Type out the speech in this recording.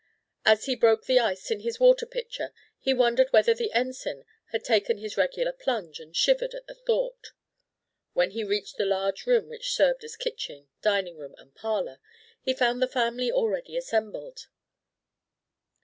As he broke the ice in his water pitcher, he wondered whether the Ensign had taken his regular plunge, and shivered at the thought. When he reached the large room which served as kitchen, dining room, and parlour, he found the family already assembled.